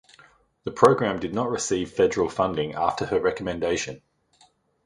The program did not receive federal funding after her recommendation.